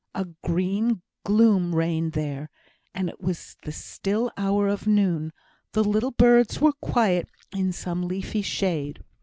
A green gloom reigned there; it was the still hour of noon; the little birds were quiet in some leafy shade.